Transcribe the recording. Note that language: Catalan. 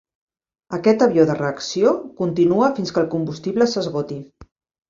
Aquest avió de reacció continua fins que el combustible s'esgoti.